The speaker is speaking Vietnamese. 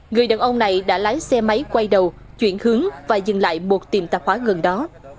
người đàn ông này đã lái xe máy quay đầu chuyển hướng và dừng lại một tiềm tạp hóa gần đó